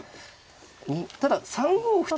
ただ３五歩と。